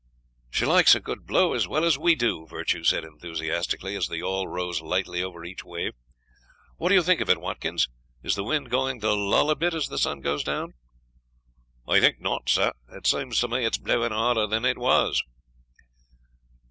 "She likes a good blow as well as we do," Virtue said enthusiastically, as the yawl rose lightly over each wave. "What do you think of it, Watkins? Is the wind going to lull a bit as the sun goes down?" "I think not, sir. It seems to me it's blowing harder than it was."